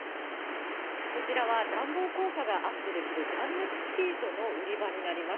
こちらは暖房効果がアップできる断熱シートの売り場になります。